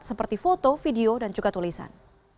seperti foto video dan juga tulisan